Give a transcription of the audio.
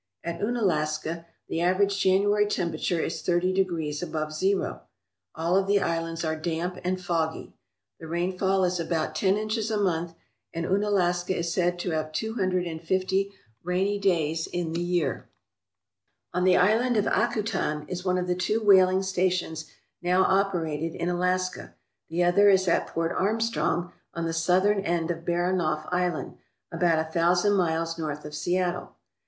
At Unalaska the average January temperature is thirty degrees above zero. All of the islands are damp and foggy. The rainfall is about ten inches a month, and Unalaska is said to have two hundred and fifty rainy days in the year. 243 ALASKA OUR NORTHERN WONDERLAND On the island of Akutan is one of the two whaling stations now operated in Alaska. The other is at Port Armstrong on the southern end of Baranof Island, about a thousand miles north of Seattle.